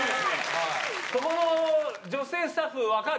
そこの女性スタッフ、分かる？